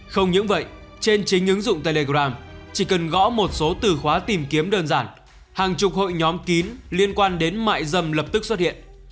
không những vậy trên chính ứng dụng telegram chỉ cần gõ một số từ khóa tìm kiếm đơn giản hàng chục hội nhóm kín liên quan đến mại dâm lập tức xuất hiện